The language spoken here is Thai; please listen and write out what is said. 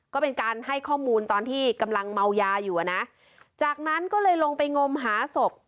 ก็เป็นการให้ข้อมูลตอนที่กำลังเมายาอยู่อ่ะนะจากนั้นก็เลยลงไปงมหาศพ